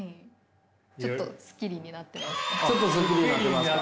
ちょっとスッキリになってますか？